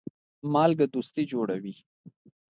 مالګه دوستي جوړوي.